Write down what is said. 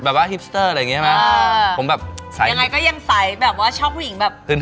ฮิปสเตอร์อะไรอย่างเงี้ใช่ไหมอ่าผมแบบใส่ยังไงก็ยังใสแบบว่าชอบผู้หญิงแบบพื้น